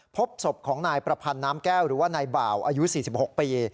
พบศพของนายประพันธ์น้ำแก้วหรือว่านายบ่าวอายุ๔๖ปี